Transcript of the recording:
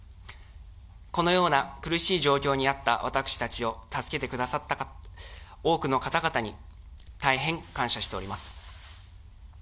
このような苦しい状況にあった私たちを助けてくださった多くの方々に、大変感謝しております。